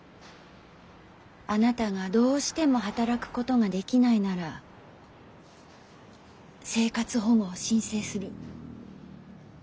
あなたがどうしても働くことができないなら生活保護を申請する。